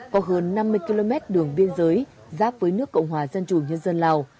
có hơn năm mươi km đường biên giới giáp với nước cộng hòa dân chủ nhân dân lào